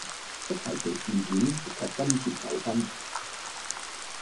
不排除事件涉及金錢糾紛